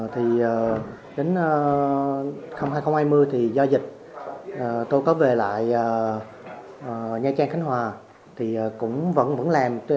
thì đến năm hai nghìn hai mươi thì do dịch tôi có về lại nha trang khánh hòa thì cũng vẫn làm